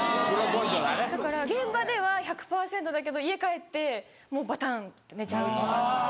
だから現場では１００％だけど家帰ってバタンって寝ちゃう。